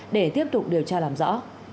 để tiếp tục điều tra làm rõ